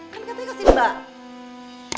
kan katanya kasih mbak